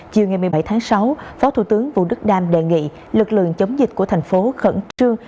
chiều ngày một mươi bảy tháng sáu phó thủ tướng vũ đức đam đề nghị lực lượng chống dịch của thành phố khẩn trương